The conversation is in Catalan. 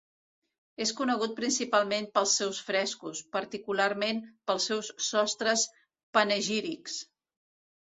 És conegut principalment pels seus frescos, particularment pels seus sostres panegírics.